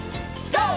ＧＯ！